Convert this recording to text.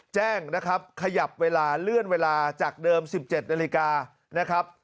แจ้งนะครับขยับเวลาเลื่อนเวลาจากเดิม๑๗นาฬิกานะครับ